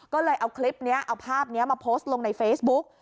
ก็เลยเอาคลิปนี้เอาภาพนี้มาโพสต์ลงในเฟซบุ๊ก